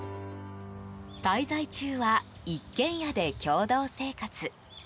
滞在中は一軒家で共同生活。